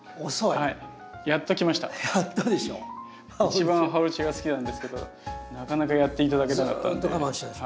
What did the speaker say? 一番ハオルチアが好きなんですけどなかなかやって頂けなかったんで。